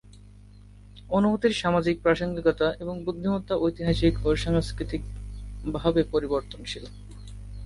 অনুভূতির সামাজিক প্রাসঙ্গিকতা এবং শক্তিমত্তা ঐতিহাসিক ও সাংস্কৃতিকভাবে পরিবর্তনশীল।